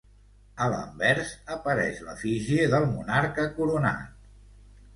A l'anvers apareix l'efígie del monarca coronat.